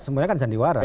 semuanya kan sandiwara